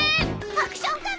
アクション仮面！？